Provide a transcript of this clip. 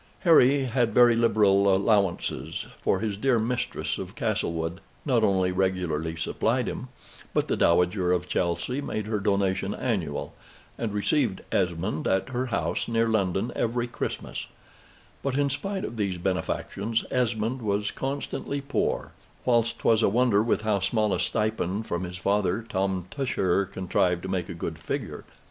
Harry had very liberal allowances, for his dear mistress of Castlewood not only regularly supplied him, but the Dowager of Chelsey made her donation annual, and received Esmond at her house near London every Christmas; but, in spite of these benefactions, Esmond was constantly poor; whilst 'twas a wonder with how small a stipend from his father Tom Tusher contrived to make a good figure.